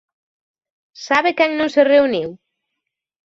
¿Sabe quen non se reuniu?